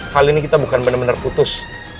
kali ini kita bukan bener bener putus